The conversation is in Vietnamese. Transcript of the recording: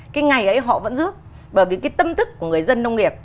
cái ngày ấy họ vẫn giúp bởi vì cái tâm thức của người dân nông nghiệp